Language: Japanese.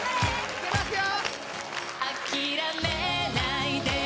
・いけますよ！